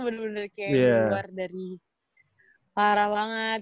bener bener kayak luar dari parah banget